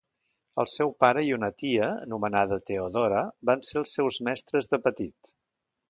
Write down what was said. El seu pare i una tia, anomenada Teodora, van ser els seus mestres de petit.